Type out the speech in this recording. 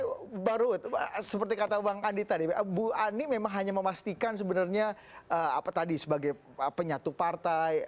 sekali tapi baru seperti kata bang andi tadi bu ani memang hanya memastikan sebenarnya apa tadi sebagai